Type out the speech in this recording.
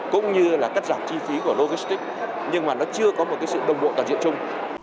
cũng như là cắt giảm chi phí của logistics nhưng mà nó chưa có một sự đồng bộ toàn diện chung